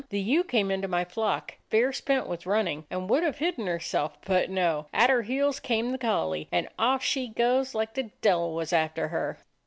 The ewe came into my flock, fair spent with running, and would have hidden herself. But, no! at her heels came the collie, and off she goes like the de'il was after her."